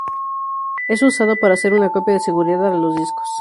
Es usado para hacer una Copia de seguridad a los discos.